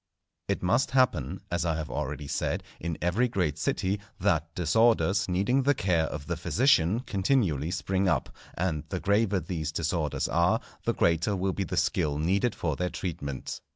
_ It must happen, as I have already said, in every great city, that disorders needing the care of the physician continually spring up; and the graver these disorders are, the greater will be the skill needed for their treatment.